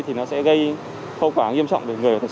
thì nó sẽ gây khâu quả nghiêm trọng